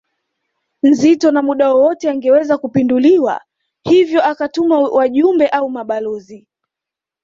nzito na muda wowote angeweza kupinduliwa hivyo akatuma wajumbe au mabalozi